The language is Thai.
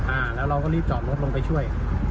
อ่าแล้วเราก็รีบจอดรถลงไปช่วย